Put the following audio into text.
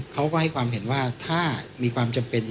เขาก็ให้ความเห็นว่าถ้ามีความจำเป็น